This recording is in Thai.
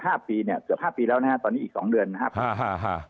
ห้าปีเนี่ยเกือบห้าปีแล้วนะฮะตอนนี้อีกสองเดือนนะครับอ่าฮะ